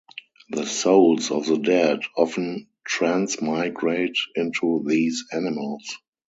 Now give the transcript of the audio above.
The souls of the dead often transmigrate into these animals.